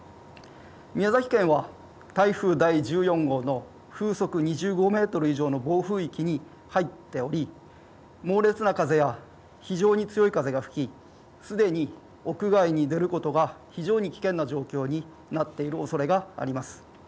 宮崎県は台風１４号の風速２５メートル以上の暴風域に入っており猛烈な風や非常に強い風が吹きすでに屋外に出ることが非常に危険な状況になっているおそれがあります。